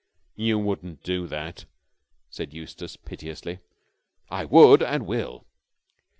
"You wouldn't do that!" said Eustace piteously. "I would and will."